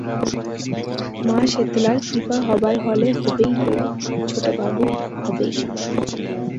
মা শেতলার কৃপা হবার হলে হবেই গো ছোটবাবু, হবেই।